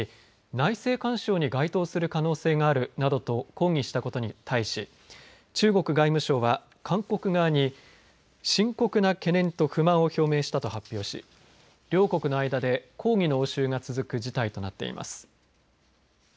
内政干渉に該当する可能性があるなどと抗議したことに対し中国外務省は韓国側に深刻な懸念と不満を表明したと発表し両国の間で抗議の応酬が続く事態となっています。